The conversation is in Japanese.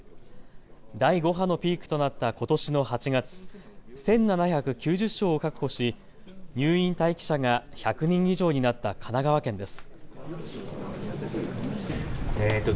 第５波のピークとなったことしの８月、１７９０床を確保し、入院待機者が１００人以上になった神奈川県です。